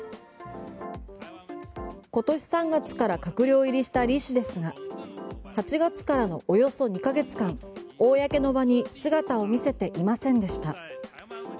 今年３月から閣僚入りしたリ氏ですが８月からのおよそ２ヶ月間公の場に姿を見せていませんでした。